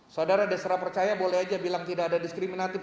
saudara desra percaya boleh aja bilang tidak ada diskriminatif